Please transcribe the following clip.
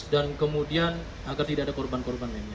dan kemudian agar tidak ada korban korban lainnya